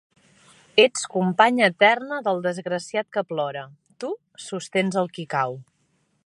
Ets companya eterna del desgraciat que plora; tu sostens el qui cau.